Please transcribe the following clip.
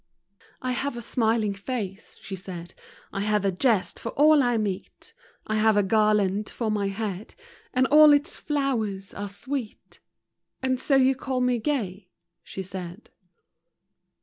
T HAVE a smiling face, she said, I have a jest for all I meet; I have a garland for my head, And all its flowers are sweet,— And so you call me gay, she said.